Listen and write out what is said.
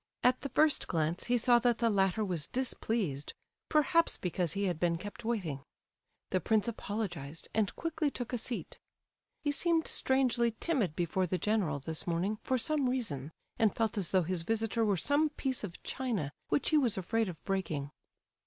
At the first glance, he saw that the latter was displeased, perhaps because he had been kept waiting. The prince apologized, and quickly took a seat. He seemed strangely timid before the general this morning, for some reason, and felt as though his visitor were some piece of china which he was afraid of breaking.